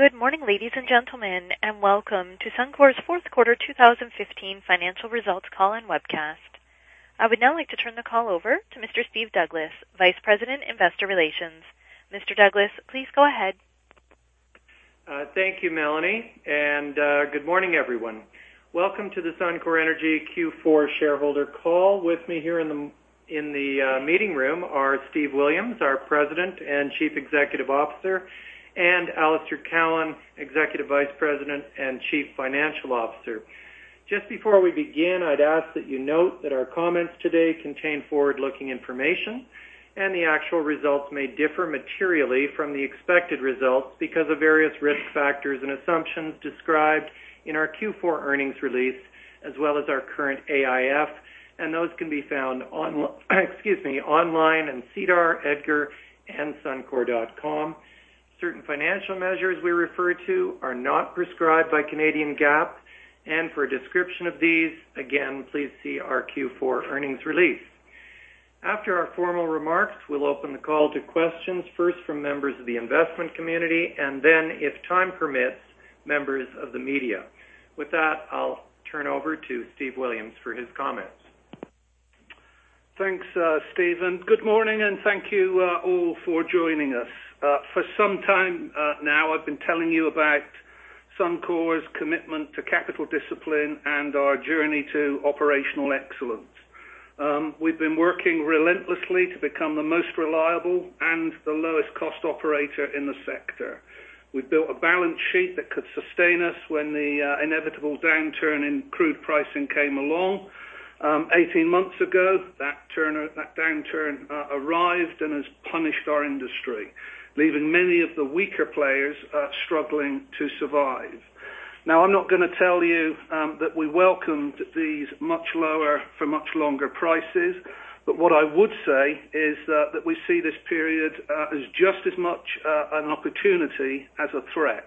Good morning, ladies and gentlemen, welcome to Suncor's fourth quarter 2015 financial results call and webcast. I would now like to turn the call over to Mr. Steve Douglas, Vice President, Investor Relations. Mr. Douglas, please go ahead. Thank you, Melanie, good morning, everyone. Welcome to the Suncor Energy Q4 shareholder call. With me here in the meeting room are Steve Williams, our President and Chief Executive Officer, and Alister Cowan, Executive Vice President and Chief Financial Officer. Just before we begin, I'd ask that you note that our comments today contain forward-looking information, the actual results may differ materially from the expected results, because of various risk factors and assumptions described in our Q4 earnings release, as well as our current AIF, those can be found online in SEDAR, EDGAR, and suncor.com. Certain financial measures we refer to are not prescribed by Canadian GAAP, for a description of these, again, please see our Q4 earnings release. After our formal remarks, we'll open the call to questions, first from members of the investment community, then, if time permits, members of the media. With that, I'll turn over to Steve Williams for his comments. Thanks, Steve. Good morning, thank you all for joining us. For some time now, I've been telling you about Suncor's commitment to capital discipline and our journey to operational excellence. We've been working relentlessly to become the most reliable and the lowest cost operator in the sector. We've built a balance sheet that could sustain us when the inevitable downturn in crude pricing came along. 18 months ago, that downturn arrived has punished our industry, leaving many of the weaker players struggling to survive. I'm not going to tell you that we welcomed these much lower for much longer prices. What I would say is that we see this period as just as much an opportunity as a threat.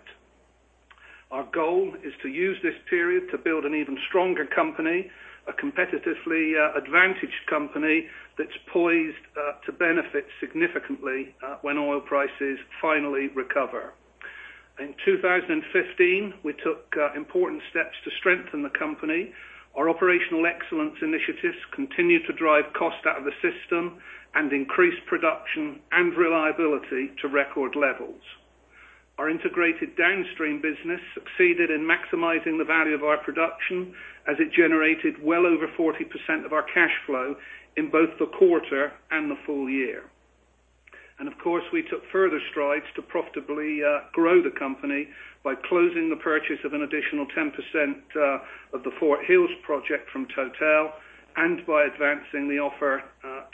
Our goal is to use this period to build an even stronger company, a competitively advantaged company that's poised to benefit significantly when oil prices finally recover. In 2015, we took important steps to strengthen the company. Our operational excellence initiatives continue to drive cost out of the system and increase production and reliability to record levels. Our integrated downstream business succeeded in maximizing the value of our production as it generated well over 40% of our cash flow in both the quarter and the full year. Of course, we took further strides to profitably grow the company by closing the purchase of an additional 10% of the Fort Hills project from Total and by advancing the offer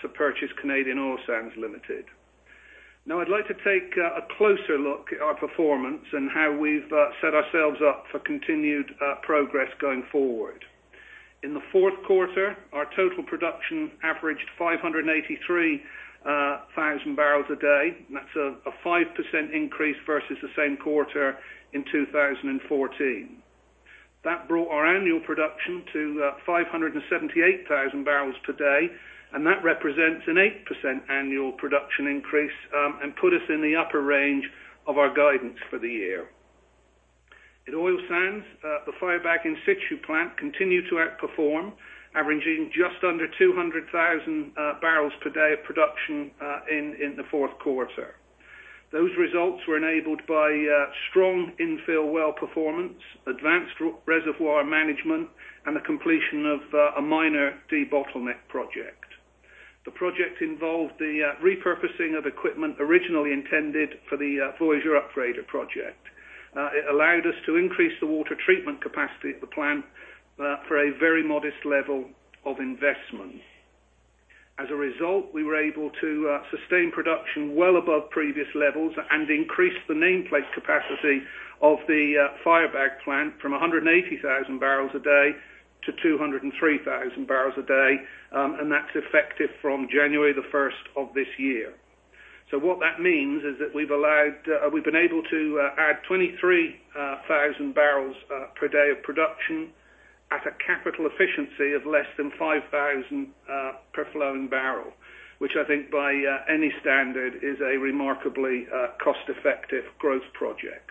to purchase Canadian Oil Sands Limited. I'd like to take a closer look at our performance and how we've set ourselves up for continued progress going forward. In the fourth quarter, our total production averaged 583,000 barrels a day. That's a 5% increase versus the same quarter in 2014. That brought our annual production to 578,000 barrels per day. That represents an 8% annual production increase and put us in the upper range of our guidance for the year. In oil sands, the Firebag in situ plant continued to outperform, averaging just under 200,000 barrels per day of production in the fourth quarter. Those results were enabled by strong infill well performance, advanced reservoir management, and the completion of a minor debottleneck project. The project involved the repurposing of equipment originally intended for the Voyageur Upgrader project. It allowed us to increase the water treatment capacity at the plant for a very modest level of investment. As a result, we were able to sustain production well above previous levels and increase the nameplate capacity of the Firebag plant from 180,000 barrels a day to 203,000 barrels a day. That's effective from January the 1st of this year. What that means is that we've been able to add 23,000 barrels per day of production at a capital efficiency of less than 5,000 per flowing barrel, which I think by any standard is a remarkably cost-effective growth project.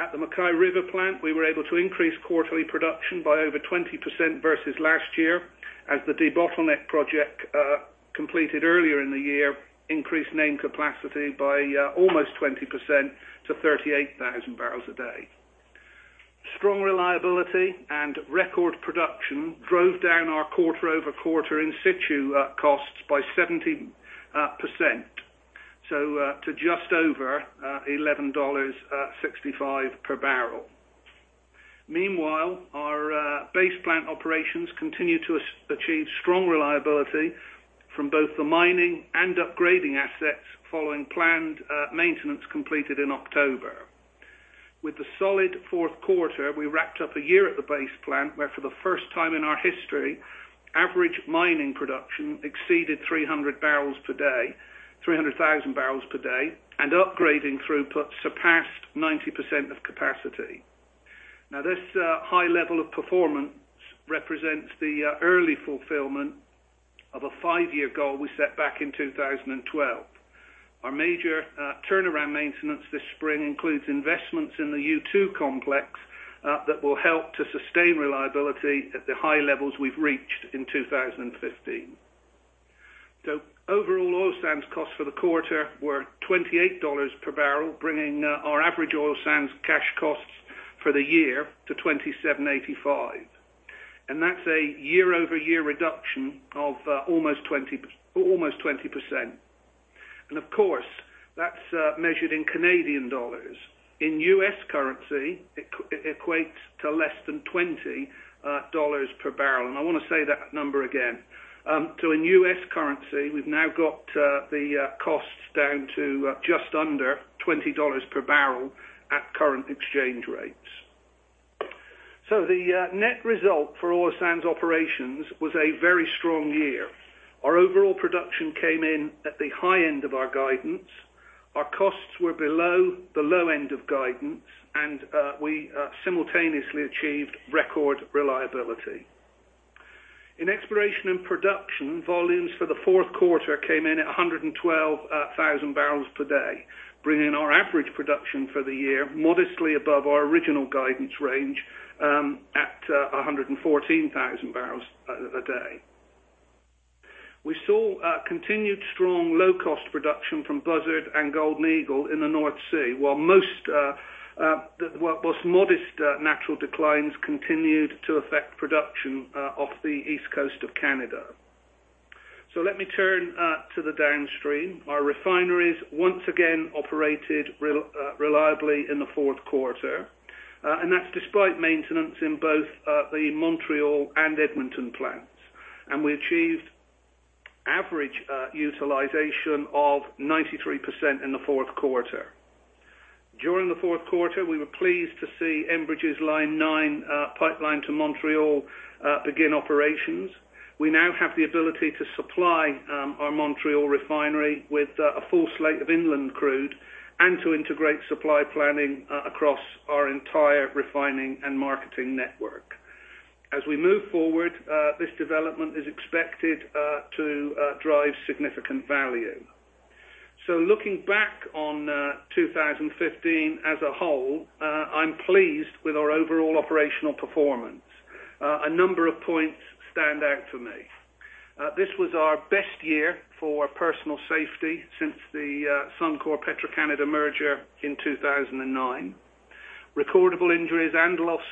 At the MacKay River plant, we were able to increase quarterly production by over 20% versus last year as the debottleneck project completed earlier in the year increased name capacity by almost 20% to 38,000 barrels a day. Strong reliability and record production drove down our quarter-over-quarter in situ costs by 70%, to just over 11.65 dollars per barrel. Meanwhile, our base plant operations continue to achieve strong reliability from both the mining and upgrading assets following planned maintenance completed in October. With the solid fourth quarter, we wrapped up a year at the base plant where for the first time in our history, average mining production exceeded 300,000 barrels per day, and upgrading throughput surpassed 90% of capacity. This high level of performance represents the early fulfillment of a five-year goal we set back in 2012. Our major turnaround maintenance this spring includes investments in the U2 complex that will help to sustain reliability at the high levels we've reached in 2015. Overall, oil sands costs for the quarter were 28 dollars per barrel, bringing our average oil sands cash costs for the year to 27.85. That's a year-over-year reduction of almost 20%. Of course, that's measured in Canadian dollars. In US currency, it equates to less than $20 per barrel. I want to say that number again. In US currency, we've now got the costs down to just under $20 per barrel at current exchange rates. The net result for oil sands operations was a very strong year. Our overall production came in at the high end of our guidance. Our costs were below the low end of guidance, and we simultaneously achieved record reliability. In exploration and production, volumes for the fourth quarter came in at 112,000 barrels per day, bringing our average production for the year modestly above our original guidance range at 114,000 barrels a day. We saw continued strong low-cost production from Buzzard and Golden Eagle in the North Sea, while modest natural declines continued to affect production off the east coast of Canada. Let me turn to the downstream. Our refineries once again operated reliably in the fourth quarter, and that's despite maintenance in both the Montreal and Edmonton plants. We achieved average utilization of 93% in the fourth quarter. During the fourth quarter, we were pleased to see Enbridge's Line 9 pipeline to Montreal begin operations. We now have the ability to supply our Montreal refinery with a full slate of inland crude and to integrate supply planning across our entire refining and marketing network. As we move forward, this development is expected to drive significant value. Looking back on 2015 as a whole, I'm pleased with our overall operational performance. A number of points stand out for me. This was our best year for personal safety since the Suncor Petro-Canada merger in 2009. Recordable injuries and lost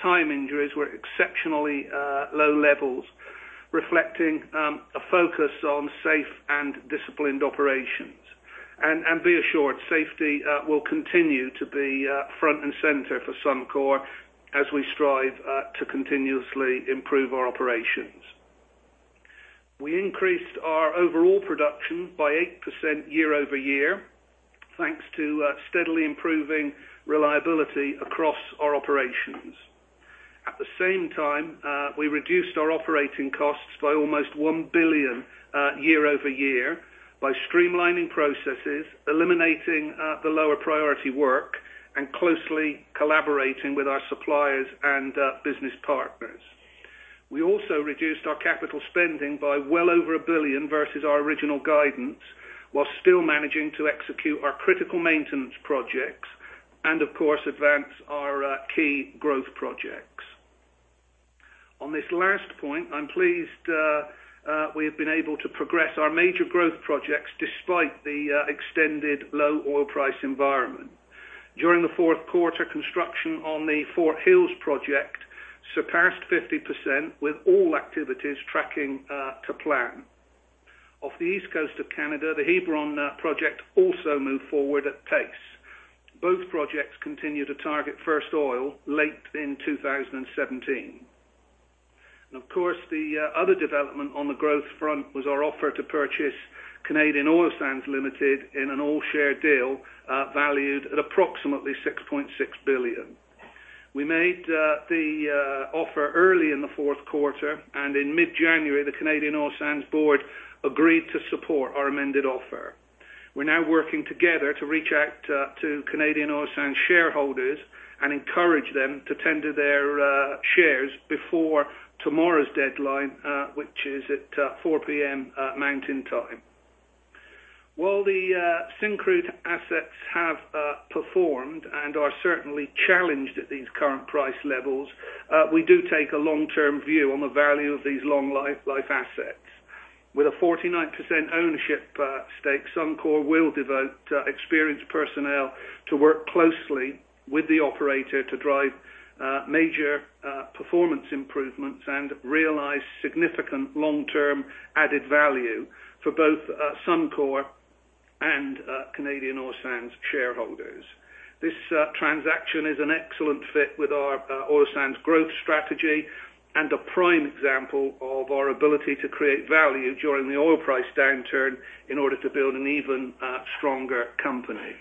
time injuries were exceptionally low levels, reflecting a focus on safe and disciplined operations. Be assured, safety will continue to be front and center for Suncor as we strive to continuously improve our operations. We increased our overall production by 8% year-over-year, thanks to steadily improving reliability across our operations. At the same time, we reduced our operating costs by almost 1 billion year-over-year by streamlining processes, eliminating the lower priority work, and closely collaborating with our suppliers and business partners. We also reduced our capital spending by well over 1 billion versus our original guidance, while still managing to execute our critical maintenance projects, and of course, advance our key growth projects. On this last point, I'm pleased we have been able to progress our major growth projects despite the extended low oil price environment. During the fourth quarter, construction on the Fort Hills project surpassed 50% with all activities tracking to plan. Off the east coast of Canada, the Hebron project also moved forward at pace. Both projects continue to target first oil late in 2017. Of course, the other development on the growth front was our offer to purchase Canadian Oil Sands Limited in an all-share deal valued at approximately 6.6 billion. We made the offer early in the fourth quarter, and in mid-January, the Canadian Oil Sands board agreed to support our amended offer. We're now working together to reach out to Canadian Oil Sands shareholders and encourage them to tender their shares before tomorrow's deadline, which is at 4:00 P.M. Mountain Time. While the Syncrude assets have performed and are certainly challenged at these current price levels, we do take a long-term view on the value of these long life assets. With a 49% ownership stake, Suncor will devote experienced personnel to work closely with the operator to drive major performance improvements and realize significant long-term added value for both Suncor and Canadian Oil Sands shareholders. This transaction is an excellent fit with our oil sands growth strategy and a prime example of our ability to create value during the oil price downturn in order to build an even stronger company.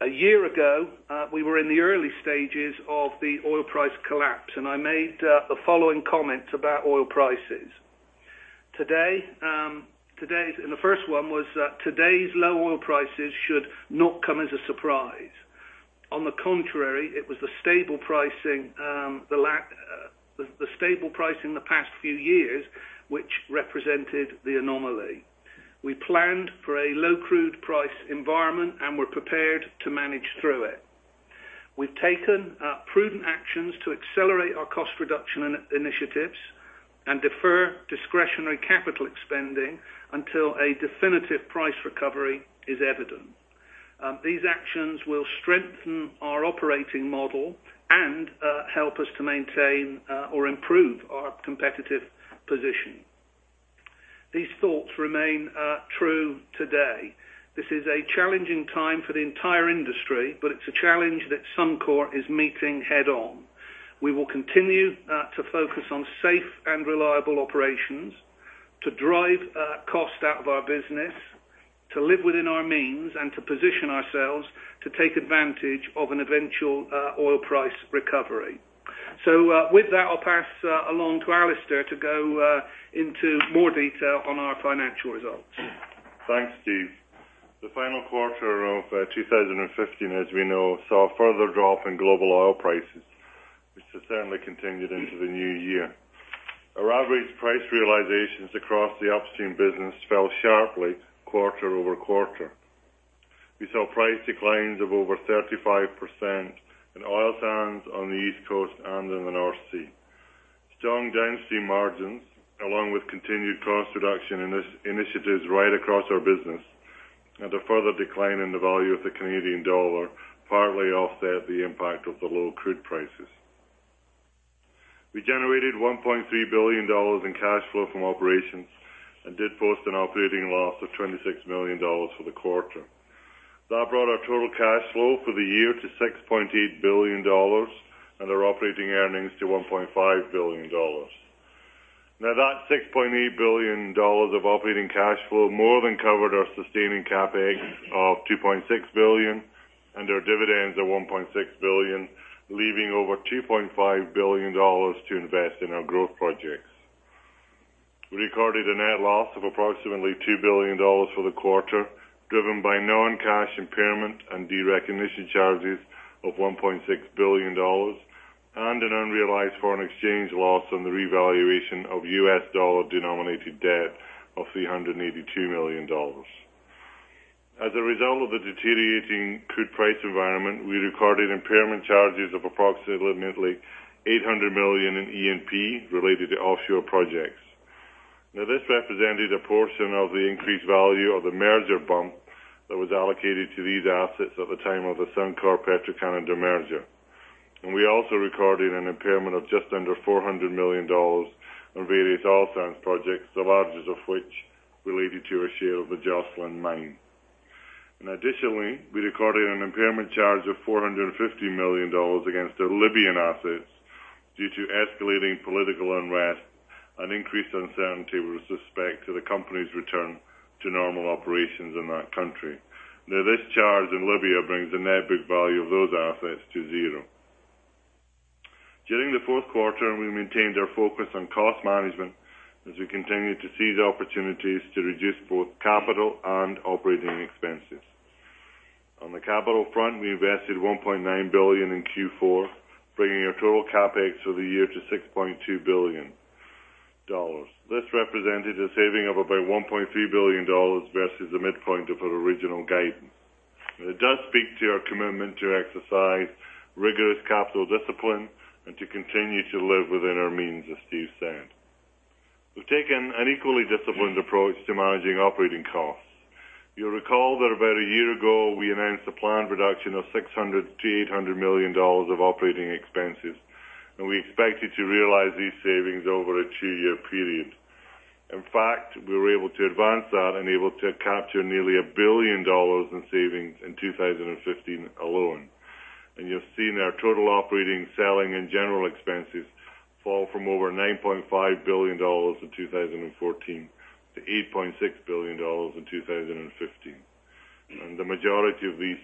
A year ago, we were in the early stages of the oil price collapse. I made the following comments about oil prices today. The first one was that today's low oil prices should not come as a surprise. On the contrary, it was the stable price in the past few years, which represented the anomaly. We planned for a low crude price environment. We're prepared to manage through it. We've taken prudent actions to accelerate our cost reduction initiatives and defer discretionary capital spending until a definitive price recovery is evident. These actions will strengthen our operating model and help us to maintain or improve our competitive position. These thoughts remain true today. This is a challenging time for the entire industry, but it's a challenge that Suncor is meeting head-on. We will continue to focus on safe and reliable operations, to drive cost out of our business, to live within our means, and to position ourselves to take advantage of an eventual oil price recovery. With that, I'll pass along to Alister to go into more detail on our financial results. Thanks, Steve. The final quarter of 2015, as we know, saw a further drop in global oil prices, which has certainly continued into the new year. Our average price realizations across the upstream business fell sharply quarter-over-quarter. We saw price declines of over 35% in oil sands on the East Coast and in the North Sea. Strong downstream margins, along with continued cost reduction initiatives right across our business, and a further decline in the value of the Canadian dollar, partly offset the impact of the low crude prices. We generated 1.3 billion dollars in cash flow from operations and did post an operating loss of 26 million dollars for the quarter. That brought our total cash flow for the year to 6.8 billion dollars and our operating earnings to 1.5 billion dollars. That 6.8 billion dollars of operating cash flow more than covered our sustaining CapEx of 2.6 billion and our dividends of 1.6 billion, leaving over 2.5 billion dollars to invest in our growth projects. We recorded a net loss of approximately 2 billion dollars for the quarter, driven by non-cash impairment and derecognition charges of 1.6 billion dollars and an unrealized foreign exchange loss on the revaluation of US dollar-denominated debt of $382 million. As a result of the deteriorating crude price environment, we recorded impairment charges of approximately 800 million in E&P related to offshore projects. This represented a portion of the increased value of the merger bump that was allocated to these assets at the time of the Suncor Petro-Canada merger. We also recorded an impairment of just under 400 million dollars on various oil sands projects, the largest of which related to our share of the Joslyn mine. Additionally, we recorded an impairment charge of 450 million dollars against our Libyan assets due to escalating political unrest and increased uncertainty with respect to the company's return to normal operations in that country. This charge in Libya brings the net book value of those assets to zero. During the fourth quarter, we maintained our focus on cost management as we continued to seize opportunities to reduce both capital and operating expenses. On the capital front, we invested 1.9 billion in Q4, bringing our total CapEx for the year to 6.2 billion dollars. This represented a saving of about 1.3 billion dollars versus the midpoint of our original guidance. It does speak to our commitment to exercise rigorous capital discipline and to continue to live within our means, as Steve said. We've taken an equally disciplined approach to managing operating costs. You'll recall that about a year ago, we announced a planned reduction of 600 million-800 million dollars of operating expenses, and we expected to realize these savings over a two-year period. In fact, we were able to advance that and able to capture nearly 1 billion dollars in savings in 2015 alone. You've seen our total operating, selling, and general expenses fall from over 9.5 billion dollars in 2014 to 8.6 billion dollars in 2015. The majority of these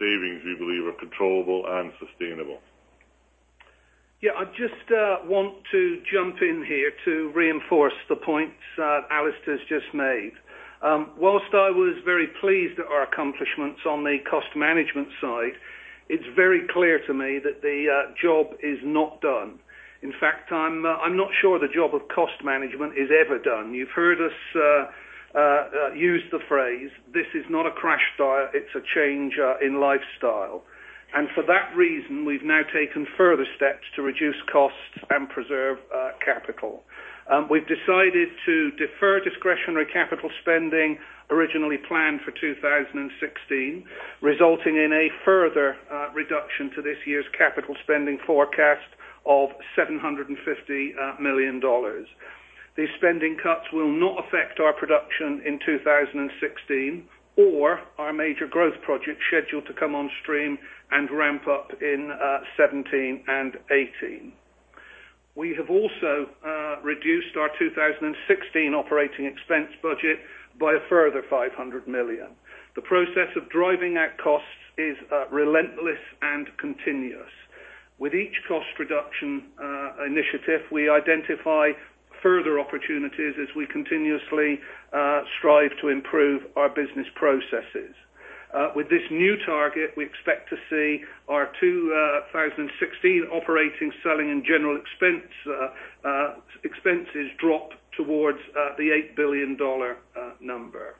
savings, we believe, are controllable and sustainable. I just want to jump in here to reinforce the points Alister's just made. Whilst I was very pleased at our accomplishments on the cost management side, it's very clear to me that the job is not done. In fact, I'm not sure the job of cost management is ever done. You've heard us use the phrase, this is not a crash diet, it's a change in lifestyle. For that reason, we've now taken further steps to reduce costs and preserve capital. We've decided to defer discretionary capital spending originally planned for 2016, resulting in a further reduction to this year's capital spending forecast of 750 million dollars. These spending cuts will not affect our production in 2016 or our major growth projects scheduled to come on stream and ramp up in 2017 and 2018. We have also reduced our 2016 operating expense budget by a further 500 million. The process of driving out costs is relentless and continuous. With each cost reduction initiative, we identify further opportunities as we continuously strive to improve our business processes. With this new target, we expect to see our 2016 operating, selling, and general expenses drop towards the 8 billion dollar number.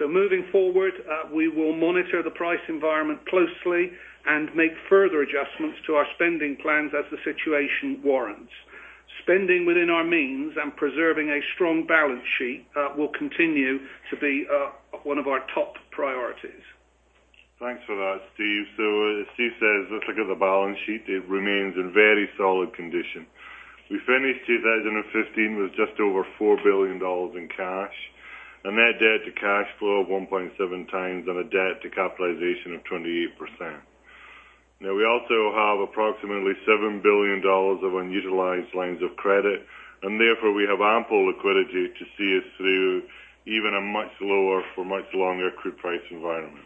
Moving forward, we will monitor the price environment closely and make further adjustments to our spending plans as the situation warrants. Spending within our means and preserving a strong balance sheet will continue to be one of our top priorities. Thanks for that, Steve. As Steve says, let's look at the balance sheet. It remains in very solid condition. We finished 2015 with just over 4 billion dollars in cash, a net debt to cash flow of 1.7 times, and a debt to capitalization of 28%. We also have approximately 7 billion dollars of unutilized lines of credit, and therefore, we have ample liquidity to see us through even a much lower for much longer crude price environment.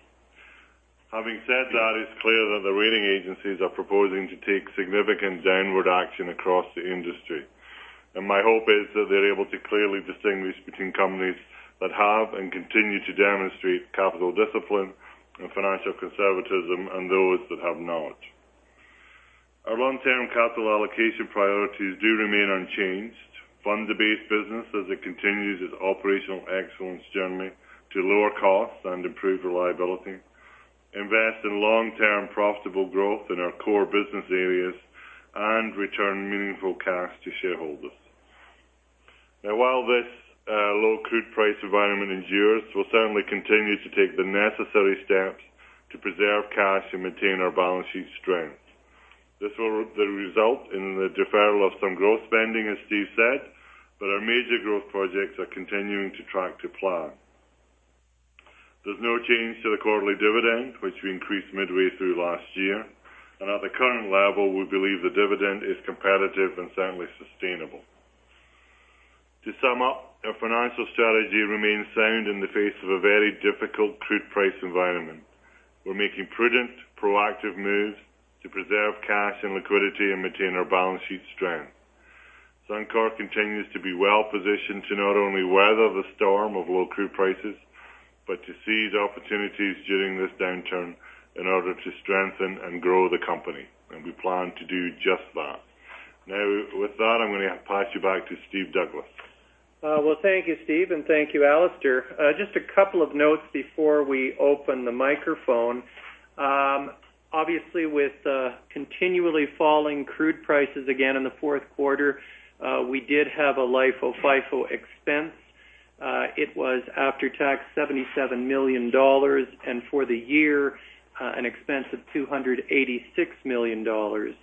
Having said that, it's clear that the rating agencies are proposing to take significant downward action across the industry. My hope is that they're able to clearly distinguish between companies that have and continue to demonstrate capital discipline and financial conservatism and those that have not. Our long-term capital allocation priorities do remain unchanged. Fund the base business as it continues its operational excellence journey to lower costs and improve reliability, invest in long-term profitable growth in our core business areas, and return meaningful cash to shareholders. While this low crude price environment endures, we'll certainly continue to take the necessary steps to preserve cash and maintain our balance sheet strength. This will result in the deferral of some growth spending, as Steve said, but our major growth projects are continuing to track to plan. There's no change to the quarterly dividend, which we increased midway through last year. At the current level, we believe the dividend is competitive and certainly sustainable. To sum up, our financial strategy remains sound in the face of a very difficult crude price environment. We're making prudent, proactive moves to preserve cash and liquidity and maintain our balance sheet strength. Suncor continues to be well-positioned to not only weather the storm of low crude prices, but to seize opportunities during this downturn in order to strengthen and grow the company. We plan to do just that. With that, I'm going to pass you back to Steve Douglas. Well, thank you, Steve, and thank you, Alister. Just a couple of notes before we open the microphone. Obviously, with continually falling crude prices again in the fourth quarter, we did have a LIFO/FIFO expense. It was after-tax 77 million dollars, and for the year, an expense of 286 million dollars.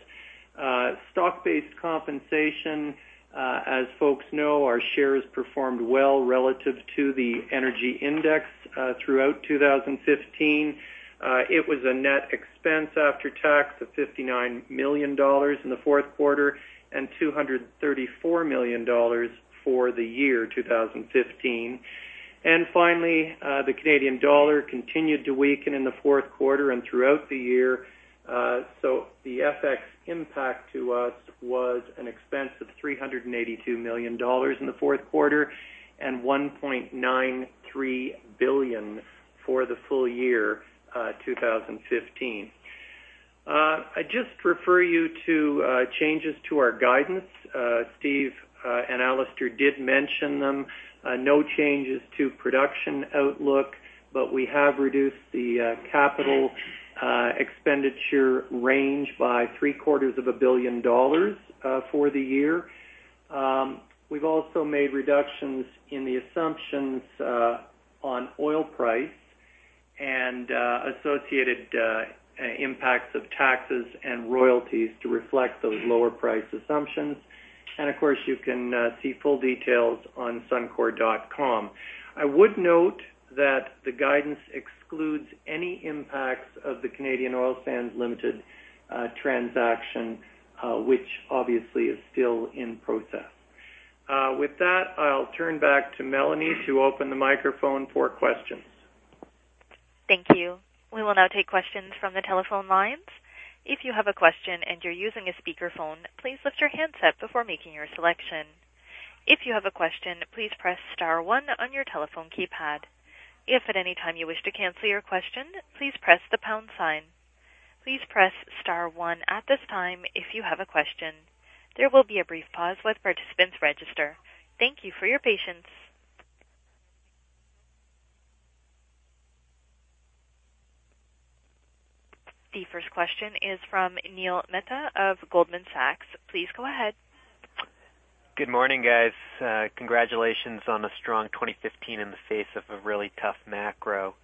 Stock-based compensation, as folks know, our shares performed well relative to the energy index throughout 2015. It was a net expense after tax of 59 million dollars in the fourth quarter and 234 million dollars for the year 2015. Finally, the Canadian dollar continued to weaken in the fourth quarter and throughout the year. The FX impact to us was an expense of 382 million dollars in the fourth quarter and 1.93 billion for the full year 2015. I just refer you to changes to our guidance. Steve and Alister did mention them. No changes to production outlook, we have reduced the capital expenditure range by three-quarters of a billion CAD for the year. We have also made reductions in the assumptions on oil price and associated impacts of taxes and royalties to reflect those lower price assumptions. Of course, you can see full details on suncor.com. I would note that the guidance excludes any impacts of the Canadian Oil Sands Limited transaction, which obviously is still in process. With that, I will turn back to Melanie to open the microphone for questions. Thank you. We will now take questions from the telephone lines. If you have a question and you are using a speakerphone, please lift your handset before making your selection. If you have a question, please press star one on your telephone keypad. If at any time you wish to cancel your question, please press the pound sign. Please press star one at this time if you have a question. There will be a brief pause while participants register. Thank you for your patience. The first question is from Neil Mehta of Goldman Sachs. Please go ahead. Good morning, guys. Congratulations on a strong 2015 in the face of a really tough macro.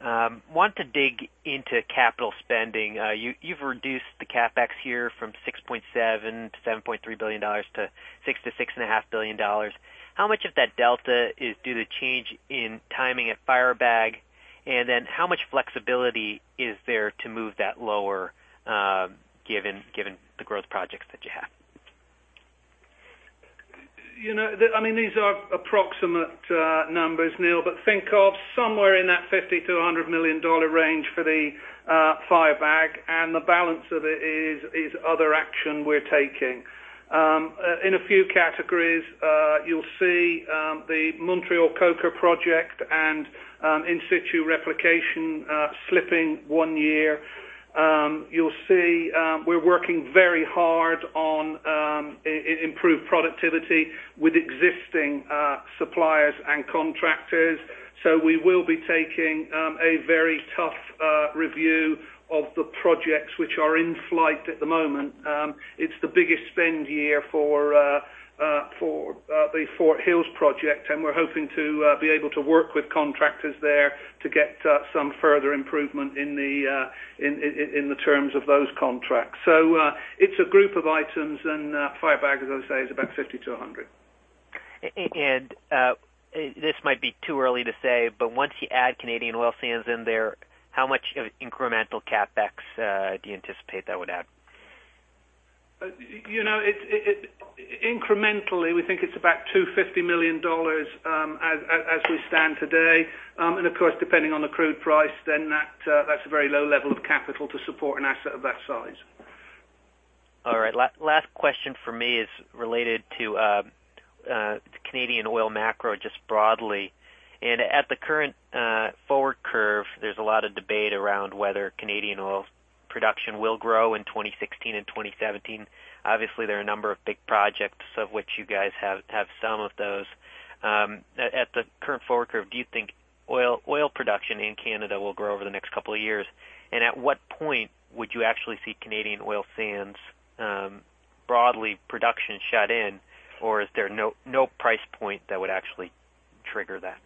Want to dig into capital spending. You have reduced the CapEx here from 6.7 billion-7.3 billion dollars to 6 billion-6.5 billion dollars. How much of that delta is due to change in timing at Firebag? Then how much flexibility is there to move that lower, given the growth projects that you have? These are approximate numbers, Neil, but think of somewhere in that 50 million-100 million dollar range for the Firebag, and the balance of it is other action we're taking. In a few categories, you'll see the Montreal Coker project and in situ replication slipping one year. You'll see we're working very hard on improved productivity with existing suppliers and contractors. We will be taking a very tough review of the projects which are in flight at the moment. It's the biggest spend year for the Fort Hills project, and we're hoping to be able to work with contractors there to get some further improvement in the terms of those contracts. It's a group of items and Firebag, as I say, is about 50 million-100 million. This might be too early to say, but once you add Canadian Oil Sands in there, how much incremental CapEx do you anticipate that would add? Incrementally, we think it's about 250 million dollars as we stand today. Of course, depending on the crude price, that's a very low level of capital to support an asset of that size. All right. Last question from me is related to Canadian oil macro, just broadly. At the current forward curve, there's a lot of debate around whether Canadian oil production will grow in 2016 and 2017. Obviously, there are a number of big projects, of which you guys have some of those. At the current forward curve, do you think oil production in Canada will grow over the next couple of years? At what point would you actually see Canadian Oil Sands broadly production shut in? Is there no price point that would actually trigger that?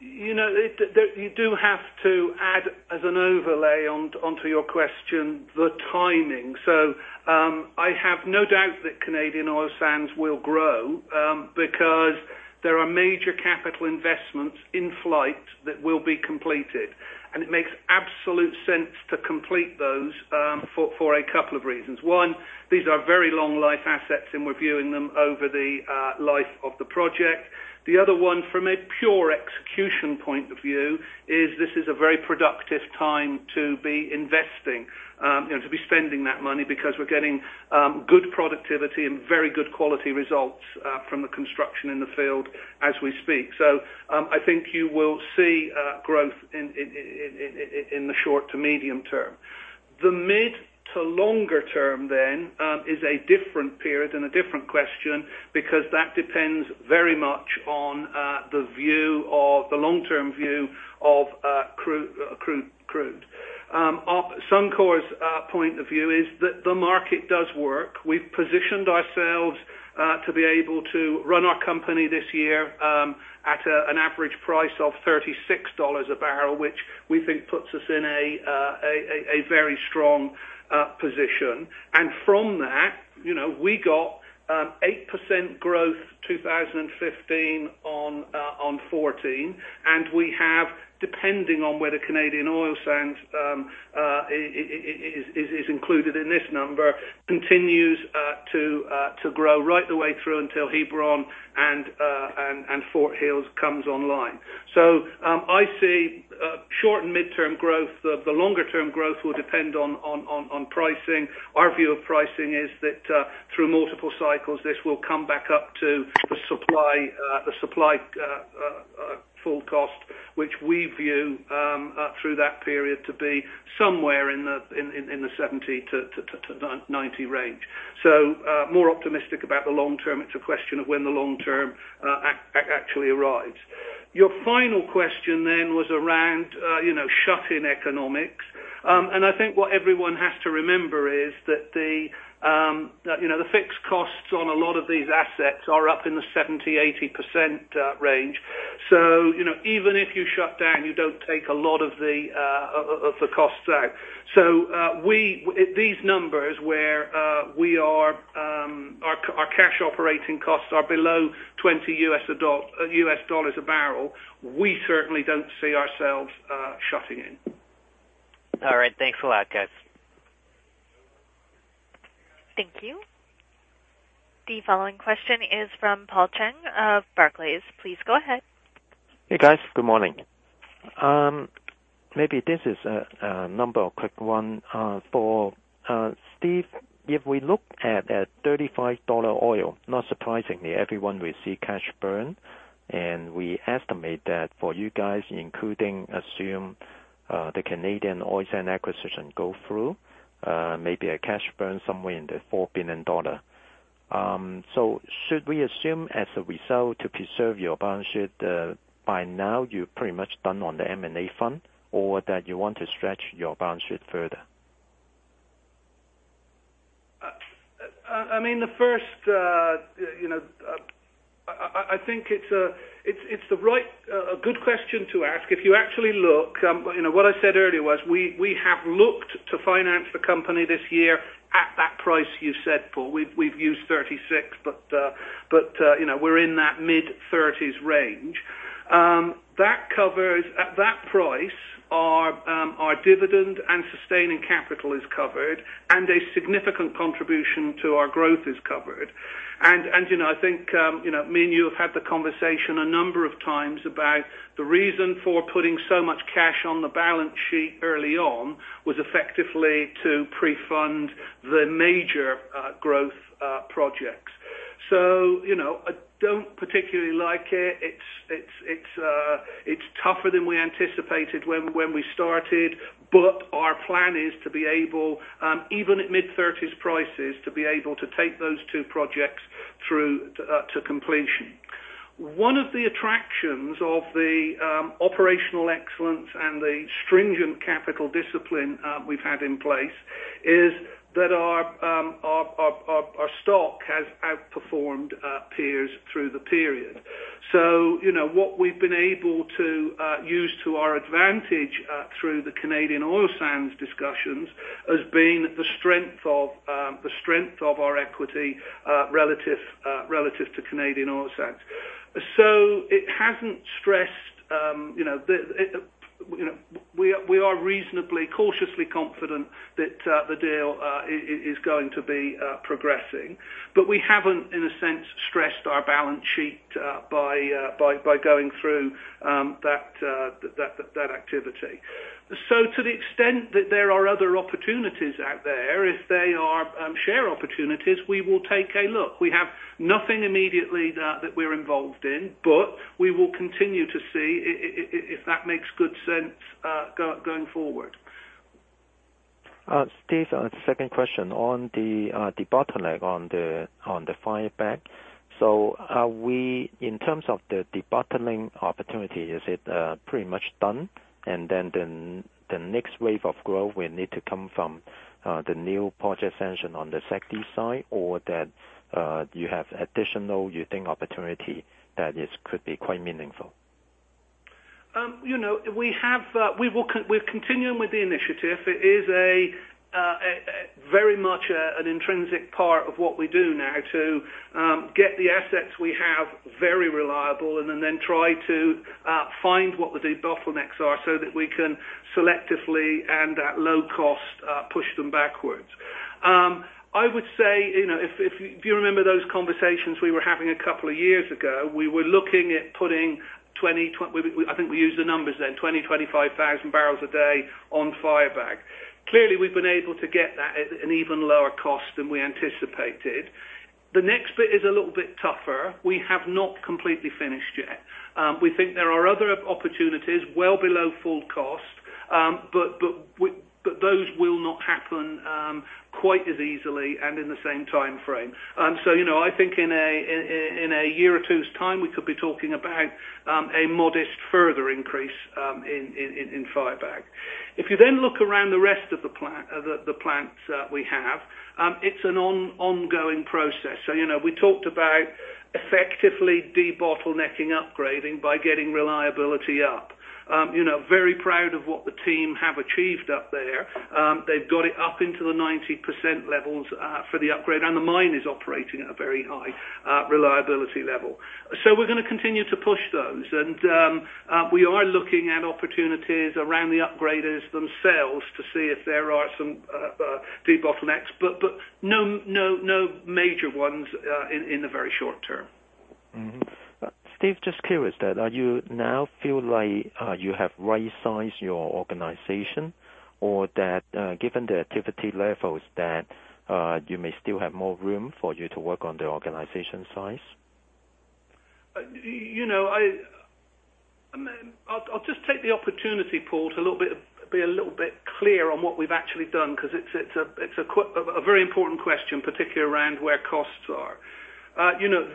You do have to add, as an overlay onto your question, the timing. I have no doubt that Canadian Oil Sands will grow, because there are major capital investments in flight that will be completed. It makes absolute sense to complete those for a couple of reasons. One, these are very long life assets, and we're viewing them over the life of the project. The other one, from a pure execution point of view, is this is a very productive time to be investing, to be spending that money because we're getting good productivity and very good quality results from the construction in the field as we speak. I think you will see growth in the short to medium term. The mid to longer term is a different period and a different question because that depends very much on the long-term view of crude. Suncor's point of view is that the market does work. We've positioned ourselves to be able to run our company this year at an average price of 36 dollars a barrel, which we think puts us in a very strong position. From that, we got 8% growth 2015 on 2014, and we have, depending on whether Canadian Oil Sands is included in this number, continues to grow right the way through until Hebron and Fort Hills comes online. I see short and midterm growth. The longer-term growth will depend on pricing. Our view of pricing is that through multiple cycles, this will come back up to the supply full cost, which we view through that period to be somewhere in the 70-90 range. More optimistic about the long term. It's a question of when the long term actually arrives. Your final question was around shut-in economics. I think what everyone has to remember is that the fixed costs on a lot of these assets are up in the 70%-80% range. Even if you shut down, you don't take a lot of the costs out. These numbers where our cash operating costs are below $20 U.S. a barrel, we certainly don't see ourselves shutting in. All right. Thanks a lot, guys. Thank you. The following question is from Paul Cheng of Barclays. Please go ahead. Hey, guys. Good morning. Maybe this is a number of quick one for Steve. If we look at 35 dollar oil, not surprisingly, everyone will see cash burn. We estimate that for you guys, including assume the Canadian Oil Sands acquisition go through, maybe a cash burn somewhere in the 4 billion dollar. Should we assume as a result to preserve your balance sheet, by now you're pretty much done on the M&A fund or that you want to stretch your balance sheet further? I think it's a good question to ask. If you actually look, what I said earlier was we have looked to finance the company this year at that price you said, Paul. We've used 36, but we're in that CAD mid-30s range. At that price. Our dividend and sustaining capital is covered, a significant contribution to our growth is covered. I think me and you have had the conversation a number of times about the reason for putting so much cash on the balance sheet early on was effectively to pre-fund the major growth projects. I don't particularly like it. It's tougher than we anticipated when we started. Our plan is to be able, even at CAD mid-thirties prices, to take those two projects through to completion. One of the attractions of the operational excellence and the stringent capital discipline we've had in place is that our stock has outperformed peers through the period. What we've been able to use to our advantage through the Canadian Oil Sands discussions has been the strength of our equity relative to Canadian Oil Sands. It hasn't stressed. We are reasonably cautiously confident that the deal is going to be progressing. We haven't, in a sense, stressed our balance sheet by going through that activity. To the extent that there are other opportunities out there, if they are share opportunities, we will take a look. We have nothing immediately that we're involved in, but we will continue to see if that makes good sense going forward. Steve, second question on the bottleneck on the Firebag. Are we, in terms of the debottleneck opportunity, is it pretty much done? Then the next wave of growth will need to come from the new project sanction on the SAGD side, or that you have additional you think opportunity that could be quite meaningful? We're continuing with the initiative. It is very much an intrinsic part of what we do now to get the assets we have very reliable, and then try to find what the bottlenecks are so that we can selectively and at low cost, push them backwards. I would say, if you remember those conversations we were having a couple of years ago, we were looking at putting 20,000-25,000 barrels a day on Firebag. Clearly, we've been able to get that at an even lower cost than we anticipated. The next bit is a little bit tougher. We have not completely finished yet. We think there are other opportunities well below full cost. Those will not happen quite as easily and in the same timeframe. I think in a year or two's time, we could be talking about a modest further increase in Firebag. If you look around the rest of the plants that we have, it's an ongoing process. We talked about effectively debottlenecking upgrading by getting reliability up. Very proud of what the team have achieved up there. They've got it up into the 90% levels for the upgrade, and the mine is operating at a very high reliability level. We're going to continue to push those. We are looking at opportunities around the upgraders themselves to see if there are some debottlenecks, but no major ones in the very short term. Steve, just curious that, are you now feel like you have right-sized your organization, or that given the activity levels, that you may still have more room for you to work on the organization size? I'll just take the opportunity, Paul, to be a little bit clear on what we've actually done because it's a very important question, particularly around where costs are.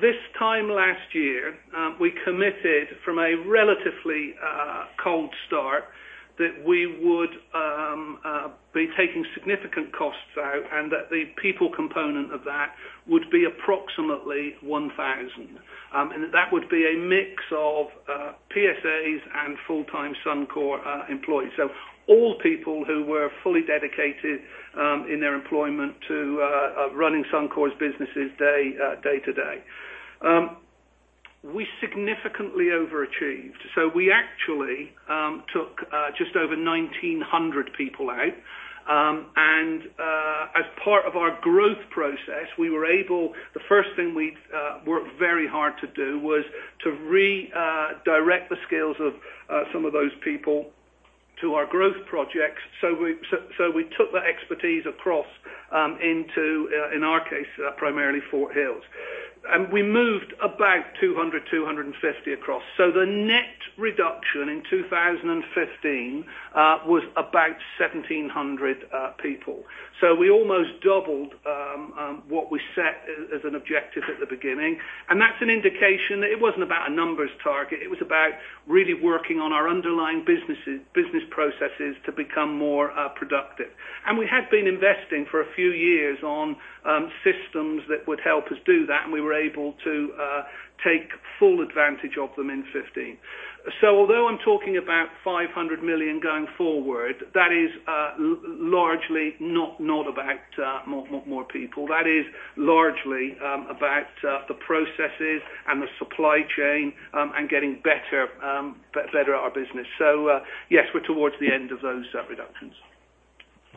This time last year, we committed from a relatively cold start that we would be taking significant costs out, that the people component of that would be approximately 1,000. That would be a mix of PSAs and full-time Suncor employees. All people who were fully dedicated in their employment to running Suncor's businesses day to day. We significantly overachieved. We actually took just over 1,900 people out. As part of our growth process, the first thing we worked very hard to do was to redirect the skills of some of those people to our growth projects. We took that expertise across into, in our case, primarily Fort Hills. We moved about 200, 250 across. The net reduction in 2015 was about 1,700 people. We almost doubled what we set as an objective at the beginning. That's an indication that it wasn't about a numbers target, it was about really working on our underlying business processes to become more productive. We had been investing for a few years on systems that would help us do that, and we were able to take full advantage of them in 2015. Although I'm talking about 500 million going forward, that is largely not about more people. That is largely about the processes and the supply chain, and getting better at our business. Yes, we're towards the end of those reductions.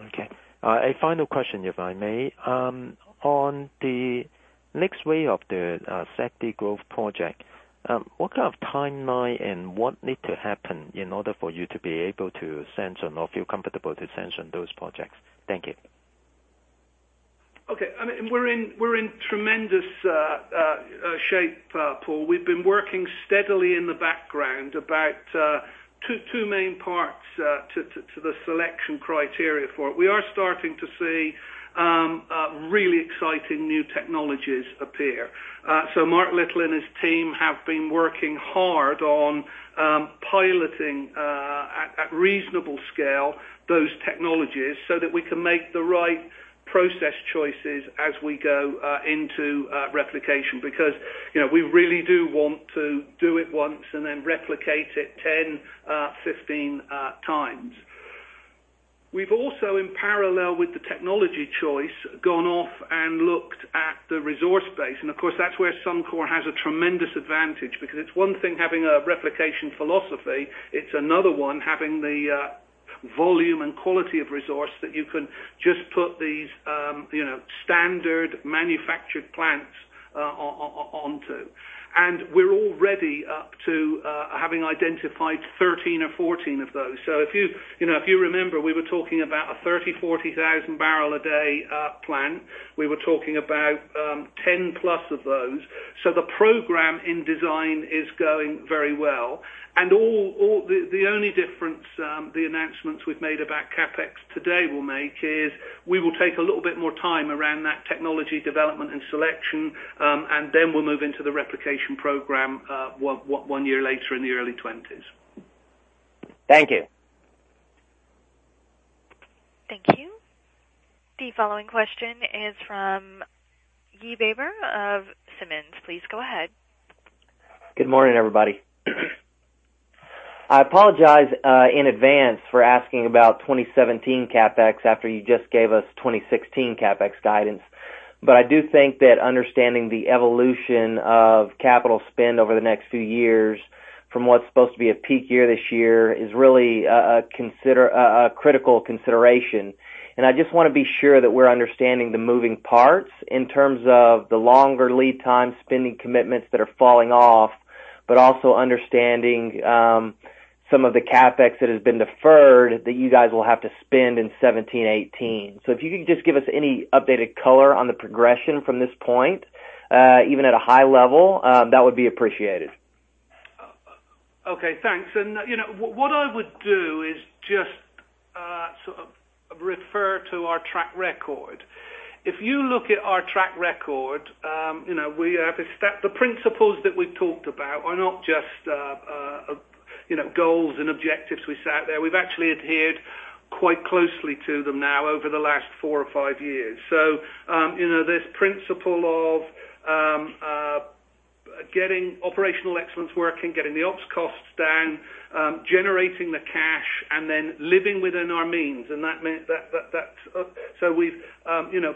Okay. A final question, if I may. On the next wave of the SAGD growth project, what kind of timeline and what needs to happen in order for you to be able to sanction or feel comfortable to sanction those projects? Thank you. Okay. We're in tremendous shape, Paul. We've been working steadily in the background about two main parts to the selection criteria for it. We are starting to see really exciting new technologies appear. Mark Little and his team have been working hard on piloting, at reasonable scale, those technologies that we can make the right process choices as we go into replication. We really do want to do it once and then replicate it 10, 15 times. We've also, in parallel with the technology choice, gone off and looked at the resource base. Of course, that's where Suncor has a tremendous advantage because it's one thing having a replication philosophy, it's another one having the volume and quality of resource that you can just put these standard manufactured plants onto. We're already up to having identified 13 or 14 of those. If you remember, we were talking about a 30,000, 40,000 barrel a day plant. We were talking about 10 plus of those. The program in design is going very well. The only difference the announcements we've made about CapEx today will make is we will take a little bit more time around that technology development and selection, then we'll move into the replication program one year later in the early 2020s. Thank you. Thank you. The following question is from Guy Baber of Simmons. Please go ahead. Good morning, everybody. I apologize in advance for asking about 2017 CapEx after you just gave us 2016 CapEx guidance. I do think that understanding the evolution of capital spend over the next few years from what's supposed to be a peak year this year is really a critical consideration. I just want to be sure that we're understanding the moving parts in terms of the longer lead time spending commitments that are falling off, but also understanding some of the CapEx that has been deferred that you guys will have to spend in 2017, 2018. If you could just give us any updated color on the progression from this point, even at a high level, that would be appreciated. Okay, thanks. What I would do is just refer to our track record. If you look at our track record, the principles that we've talked about are not just goals and objectives we set there. We've actually adhered quite closely to them now over the last four or five years. This principle of getting operational excellence working, getting the OpEx costs down, generating the cash, and then living within our means. We've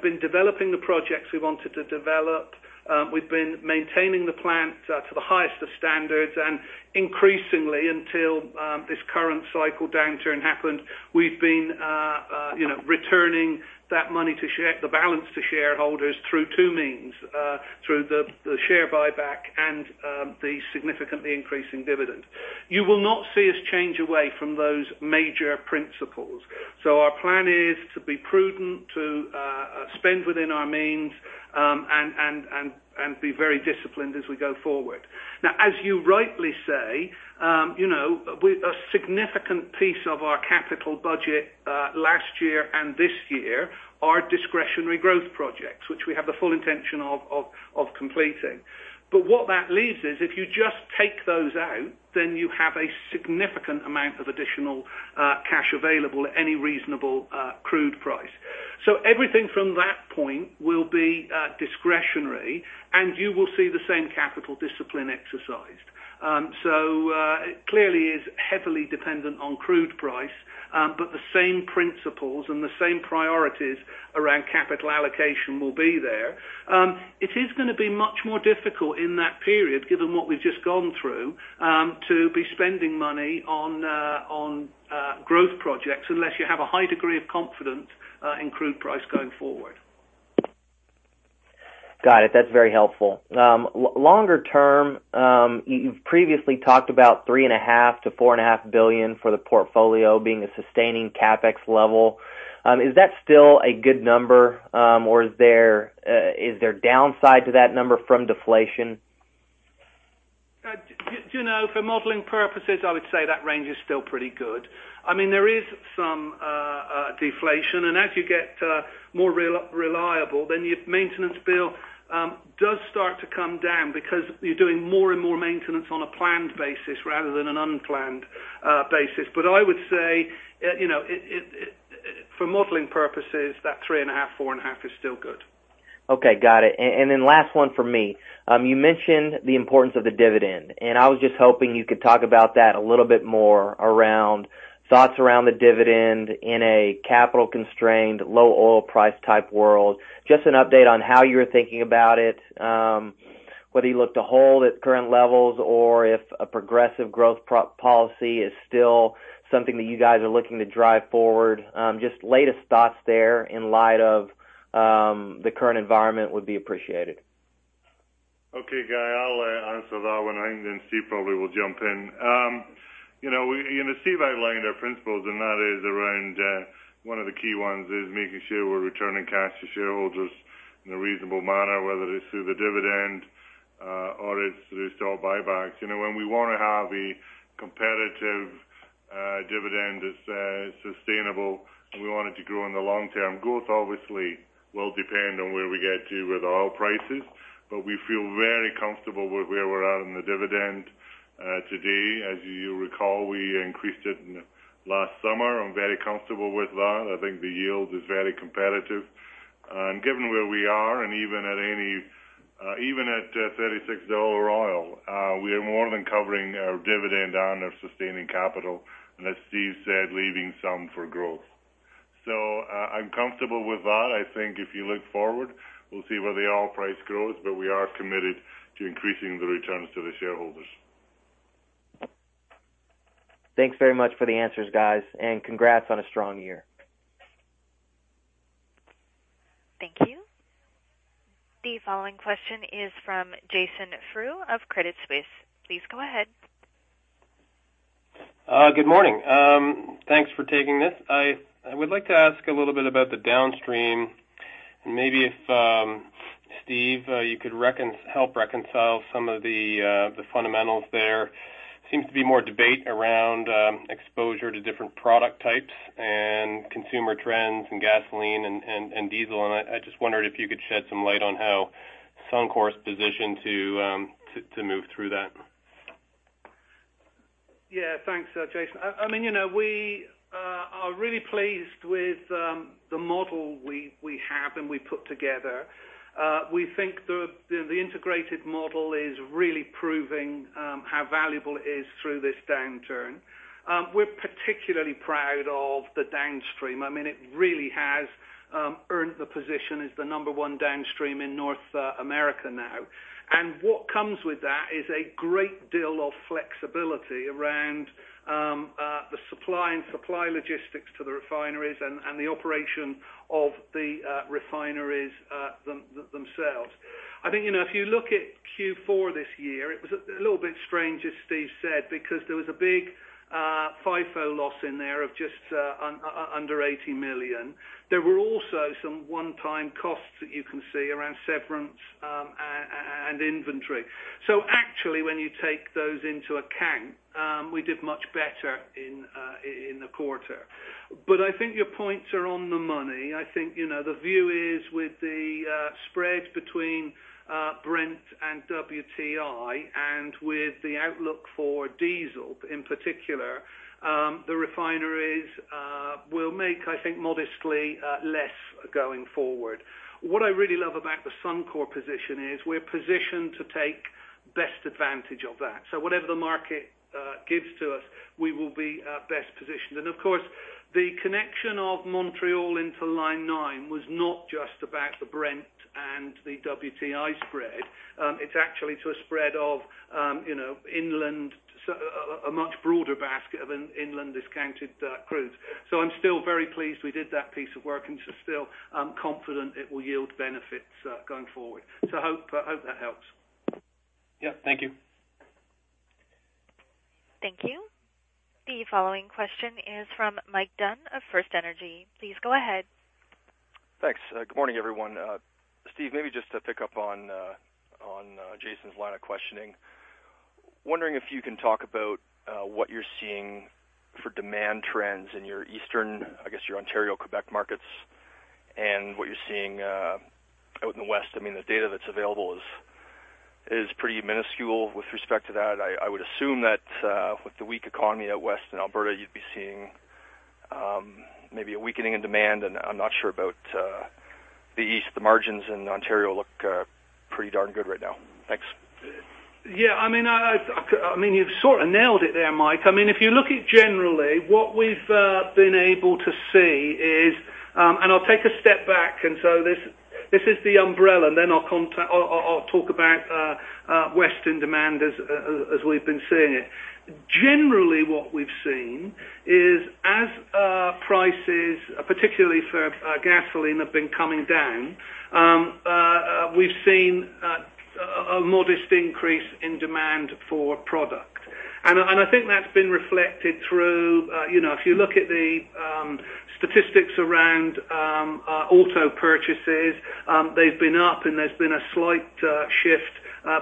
been developing the projects we wanted to develop. We've been maintaining the plant to the highest of standards. Increasingly, until this current cycle downturn happened, we've been returning the balance to shareholders through two means. Through the share buyback and the significantly increasing dividend. You will not see us change away from those major principles. Our plan is to be prudent, to spend within our means, and be very disciplined as we go forward. Now, as you rightly say, a significant piece of our capital budget last year and this year are discretionary growth projects, which we have the full intention of completing. What that leaves is if you just take those out, then you have a significant amount of additional cash available at any reasonable crude price. Everything from that point will be discretionary, and you will see the same capital discipline exercised. It clearly is heavily dependent on crude price. The same principles and the same priorities around capital allocation will be there. It is going to be much more difficult in that period, given what we've just gone through, to be spending money on growth projects unless you have a high degree of confidence in crude price going forward. Got it. That's very helpful. Longer term, you've previously talked about 3.5 billion-4.5 billion for the portfolio being a sustaining CapEx level. Is that still a good number? Or is there downside to that number from deflation? For modeling purposes, I would say that range is still pretty good. There is some deflation, and as you get more reliable, then your maintenance bill does start to come down because you're doing more and more maintenance on a planned basis rather than an unplanned basis. I would say, for modeling purposes, that three and a half, four and a half is still good. Okay, got it. Then last one from me. You mentioned the importance of the dividend, and I was just hoping you could talk about that a little bit more around thoughts around the dividend in a capital-constrained, low oil price type world. Just an update on how you're thinking about it, whether you look to hold at current levels or if a progressive growth policy is still something that you guys are looking to drive forward. Just latest thoughts there in light of the current environment would be appreciated. Okay, Guy, I'll answer that one, then Steve probably will jump in. In the C-suite, I laid out our principles, and that is around one of the key ones is making sure we're returning cash to shareholders in a reasonable manner, whether it's through the dividend or it's through stock buybacks. When we want to have a competitive dividend that's sustainable, and we want it to grow in the long term. Growth obviously will depend on where we get to with oil prices, we feel very comfortable with where we're at in the dividend today. As you recall, we increased it last summer. I'm very comfortable with that. I think the yield is very competitive. Given where we are, and even at 36 dollar oil, we are more than covering our dividend out of sustaining capital, and as Steve said, leaving some for growth. I'm comfortable with that. I think if you look forward, we'll see where the oil price grows, we are committed to increasing the returns to the shareholders. Thanks very much for the answers, guys. Congrats on a strong year. Thank you. The following question is from Jason Frew of Credit Suisse. Please go ahead. Good morning. Thanks for taking this. I would like to ask a little bit about the downstream, maybe if, Steve, you could help reconcile some of the fundamentals there. Seems to be more debate around exposure to different product types and consumer trends in gasoline and diesel, I just wondered if you could shed some light on how Suncor's positioned to move through that. Yeah. Thanks, Jason. We are really pleased with the model we have and we put together. We think the integrated model is really proving how valuable it is through this downturn. We're particularly proud of the downstream. It really has earned the position as the number one downstream in North America now. What comes with that is a great deal of flexibility around the supply and supply logistics to the refineries and the operation of the refineries themselves. I think, if you look at Q4 this year, it was a little bit strange, as Steve said, because there was a big FIFO loss in there of just under 80 million. There were also some one-time costs that you can see around severance and inventory. Actually, when you take those into account, we did much better in the quarter. I think your points are on the money. I think, the view is with the spread between Brent and WTI, and with the outlook for diesel in particular, the refineries will make, I think, modestly less going forward. What I really love about the Suncor position is we're positioned to take best advantage of that. Whatever the market gives to us, we will be best positioned. Of course, the connection of Montreal into Line 9 was not just about the Brent and the WTI spread. It's actually to a spread of a much broader basket of inland discounted crudes. I'm still very pleased we did that piece of work, and still confident it will yield benefits going forward. Hope that helps. Yep, thank you. Thank you. The following question is from Mike Dunn of FirstEnergy Capital. Please go ahead. Thanks. Good morning, everyone. Steve, maybe just to pick up on Jason's line of questioning. Wondering if you can talk about what you're seeing for demand trends in your Eastern, I guess, your Ontario, Quebec markets and what you're seeing out in the West. The data that's available is pretty minuscule with respect to that. I would assume that with the weak economy out West in Alberta, you'd be seeing maybe a weakening in demand, and I'm not sure about the East. The margins in Ontario look pretty darn good right now. Thanks. Yeah, you've sort of nailed it there, Mike. If you look at generally, what we've been able to see is, I'll take a step back, this is the umbrella, then I'll talk about Western demand as we've been seeing it. Generally, what we've seen is as prices, particularly for gasoline, have been coming down, we've seen a modest increase in demand for product. I think that's been reflected through, if you look at the statistics around auto purchases, they've been up, there's been a slight shift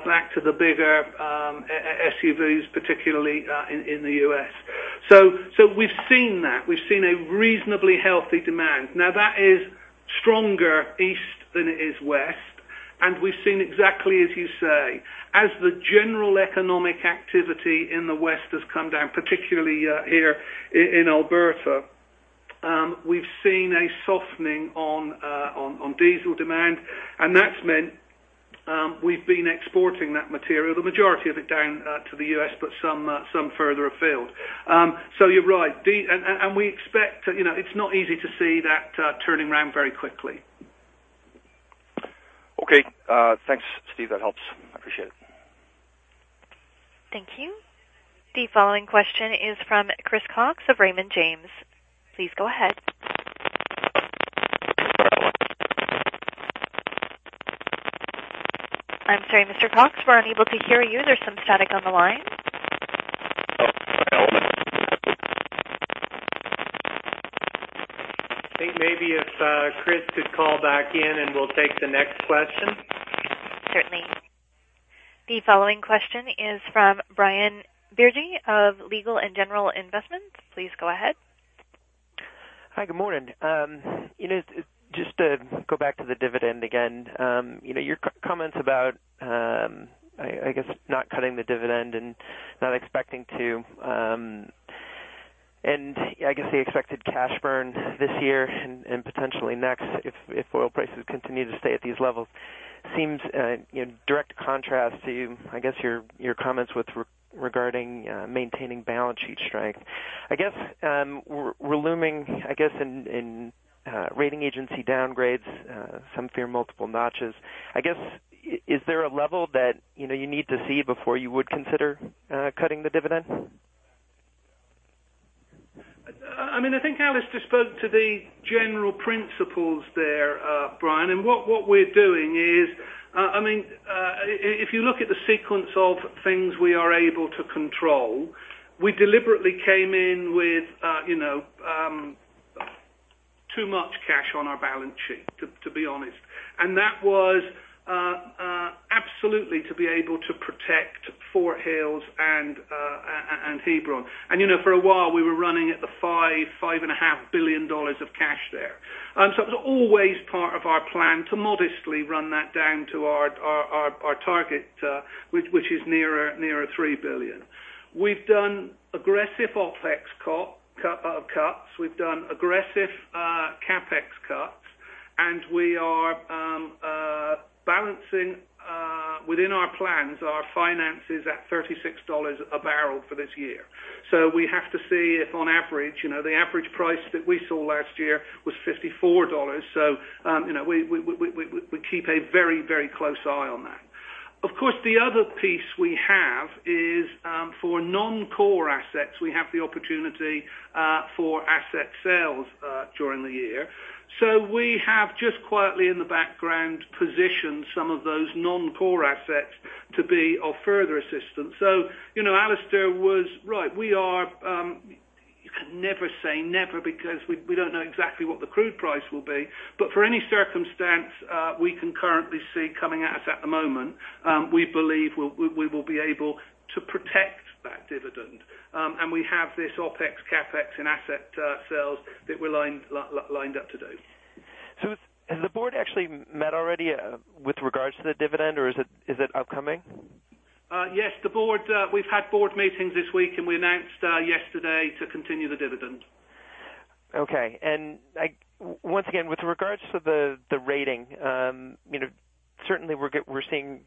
back to the bigger SUVs, particularly in the U.S. We've seen that. We've seen a reasonably healthy demand. Now, that is stronger East than it is West. We've seen exactly as you say, as the general economic activity in the West has come down, particularly here in Alberta, we've seen a softening on diesel demand. That's meant we've been exporting that material, the majority of it down to the U.S., but some further afield. You're right. It's not easy to see that turning around very quickly. Okay. Thanks, Steve. That helps. I appreciate it. Thank you. The following question is from Chris Cox of Raymond James. Please go ahead. I'm sorry, Mr. Cox, we're unable to hear you. There's some static on the line. I think maybe if Chris could call back in and we'll take the next question. Certainly. The following question is from Brian Beardy of Legal & General Investments. Please go ahead. Hi, good morning. Just to go back to the dividend again. Your comments about, I guess, not cutting the dividend and not expecting to. I guess the expected cash burn this year and potentially next, if oil prices continue to stay at these levels, seems in direct contrast to, I guess, your comments regarding maintaining balance sheet strength. I guess, we're looming in rating agency downgrades, some fear multiple notches. I guess, is there a level that you need to see before you would consider cutting the dividend? I think Alister spoke to the general principles there, Brian, what we're doing is, if you look at the sequence of things we are able to control, we deliberately came in with too much cash on our balance sheet, to be honest. That was absolutely to be able to protect Fort Hills and Hebron. For a while, we were running at the 5 billion dollars, CAD 5.5 billion of cash there. It was always part of our plan to modestly run that down to our target, which is nearer 3 billion. We've done aggressive OpEx cuts. We've done aggressive CapEx cuts, we are balancing within our plans our finances at 36 dollars a barrel for this year. We have to see if on average, the average price that we saw last year was 54 dollars. We keep a very close eye on that. Of course, the other piece we have is, for non-core assets, we have the opportunity for asset sales during the year. We have just quietly in the background, positioned some of those non-core assets to be of further assistance. Alister was right. You can never say never because we don't know exactly what the crude price will be. For any circumstance we can currently see coming at us at the moment, we believe we will be able to protect that dividend. We have this OpEx, CapEx, and asset sales that we're lined up to do. Has the board actually met already with regards to the dividend, or is it upcoming? Yes. We've had board meetings this week, and we announced yesterday to continue the dividend. Okay. Once again, with regards to the rating, certainly we're seeing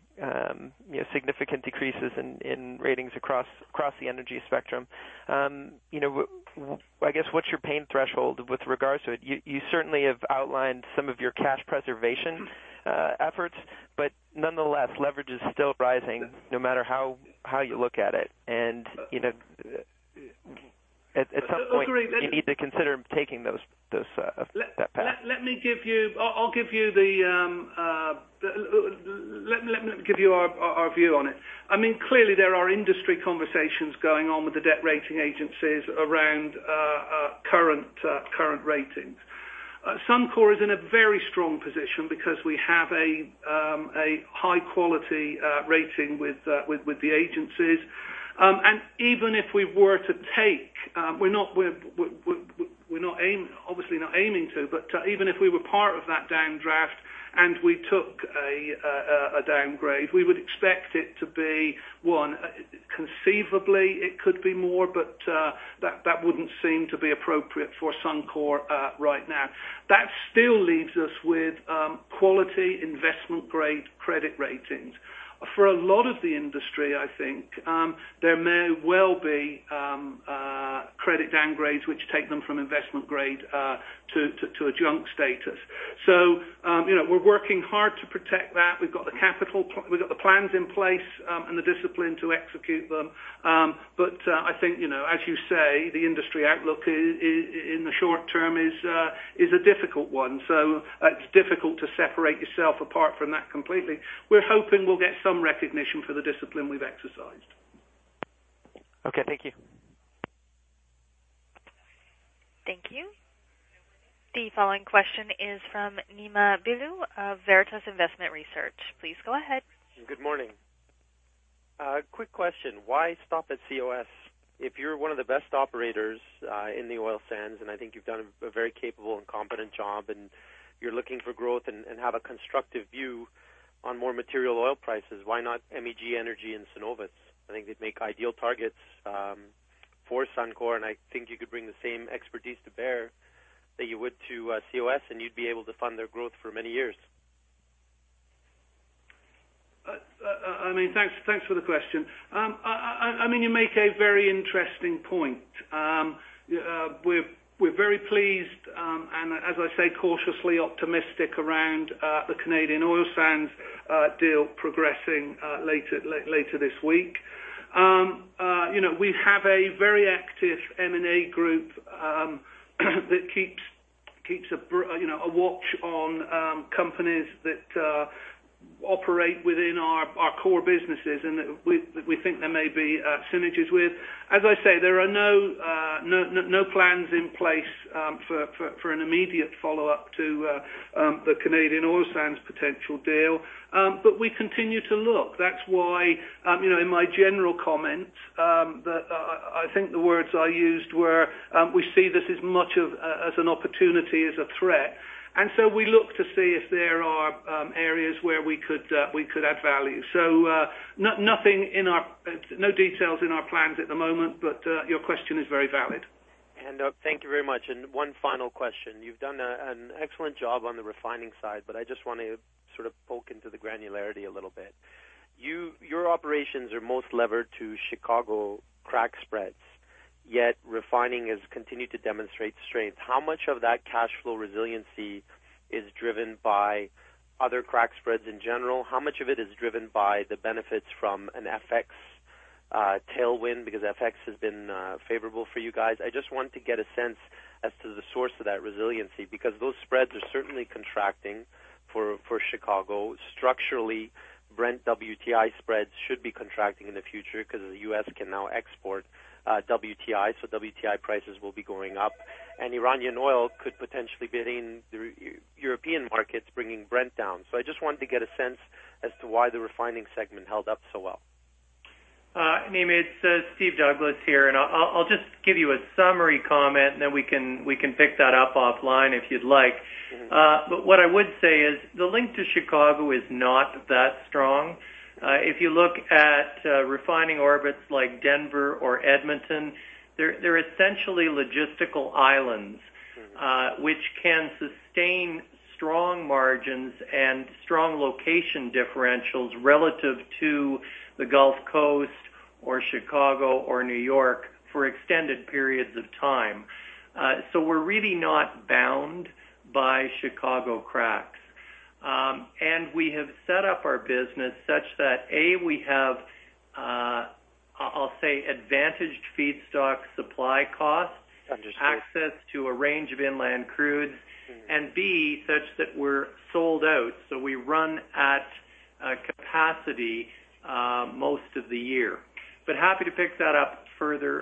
significant decreases in ratings across the energy spectrum. I guess, what's your pain threshold with regards to it? You certainly have outlined some of your cash preservation efforts. Nonetheless, leverage is still rising no matter how you look at it. At some point. Agreed. You need to consider taking that path. Let me give you our view on it. Clearly there are industry conversations going on with the debt rating agencies around current ratings. Suncor is in a very strong position because we have a high-quality rating with the agencies. Even if we were to take, we're obviously not aiming to, but even if we were part of that downdraft and we took a downgrade, we would expect it to be one. Conceivably, it could be more, that wouldn't seem to be appropriate for Suncor right now. That still leaves us with quality investment-grade credit ratings. For a lot of the industry, I think, there may well be credit downgrades, which take them from investment-grade to a junk status. We're working hard to protect that. We've got the capital. We've got the plans in place, and the discipline to execute them. I think, as you say, the industry outlook in the short term is a difficult one. It's difficult to separate yourself apart from that completely. We're hoping we'll get some recognition for the discipline we've exercised. Okay. Thank you. Thank you. The following question is from Nima Billou of Veritas Investment Research. Please go ahead. Good morning. A quick question. Why stop at COS? If you're one of the best operators in the oil sands, I think you've done a very capable and competent job. You're looking for growth and have a constructive view on more material oil prices, why not MEG Energy and Cenovus? I think they'd make ideal targets for Suncor. I think you could bring the same expertise to bear that you would to COS. You'd be able to fund their growth for many years. Thanks for the question. You make a very interesting point. We're very pleased, and as I say, cautiously optimistic around the Canadian Oil Sands deal progressing later this week. We have a very active M&A group that keeps a watch on companies that operate within our core businesses and that we think there may be synergies with. As I say, there are no plans in place for an immediate follow-up to the Canadian Oil Sands potential deal. We continue to look. That's why, in my general comments, that I think the words I used were, we see this as much of as an opportunity as a threat. We look to see if there are areas where we could add value. No details in our plans at the moment. Your question is very valid. Thank you very much. One final question. You've done an excellent job on the refining side, but I just want to sort of poke into the granularity a little bit. Your operations are most levered to Chicago crack spreads, yet refining has continued to demonstrate strength. How much of that cash flow resiliency is driven by other crack spreads in general? How much of it is driven by the benefits from an FX tailwind because FX has been favorable for you guys? I just want to get a sense as to the source of that resiliency, because those spreads are certainly contracting for Chicago. Structurally, Brent WTI spreads should be contracting in the future because the U.S. can now export WTI, so WTI prices will be going up. Iranian oil could potentially get in through European markets, bringing Brent down. I just wanted to get a sense as to why the refining segment held up so well. Nima, it's Steve Douglas here. I'll just give you a summary comment, then we can pick that up offline if you'd like. What I would say is the link to Chicago is not that strong. If you look at refining orbits like Denver or Edmonton, they're essentially logistical islands- which can sustain strong margins and strong location differentials relative to the Gulf Coast or Chicago or New York for extended periods of time. We're really not bound by Chicago cracks. We have set up our business such that, A, we have, I'll say, advantaged feedstock supply costs. Understood access to a range of inland crudes. B, such that we're sold out. We run at capacity most of the year. Happy to pick that up further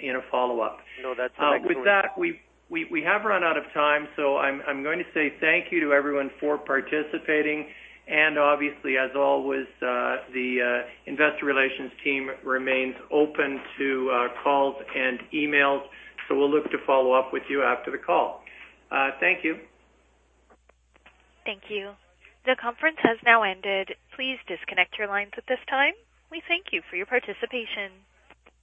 in a follow-up. No, that's an excellent. With that, we have run out of time, so I'm going to say thank you to everyone for participating, and obviously, as always, the investor relations team remains open to calls and emails. We'll look to follow up with you after the call. Thank you. Thank you. The conference has now ended. Please disconnect your lines at this time. We thank you for your participation.